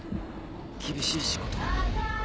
厳しい仕事だな。